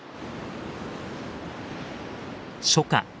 初夏。